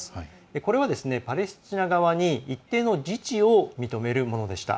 これは、パレスチナ側に一定の自治を認めるものでした。